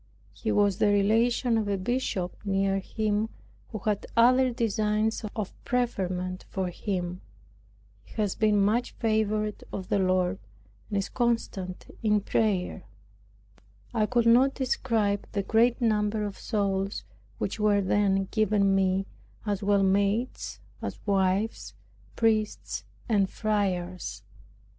He was the relation of a bishop near him, who had other designs of preferment for him. He has been much favored of the Lord, and is constant in prayer. I could not describe the great number of souls which were then given me, as well maids, as wives, priests and friars.